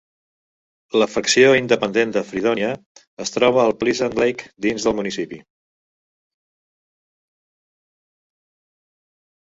La fracció independent de Fredonia es troba a Pleasant Lake dins el municipi.